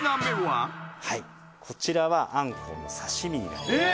こちらはアンコウの刺し身になります。